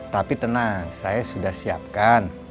tapi tenang saya sudah siapkan